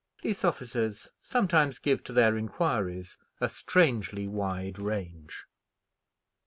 Police officers sometimes give to their inquiries a strangely wide range.